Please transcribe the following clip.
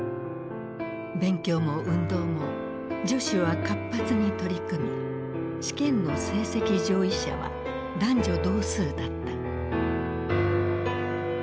勉強も運動も女子は活発に取り組み試験の成績上位者は男女同数だった。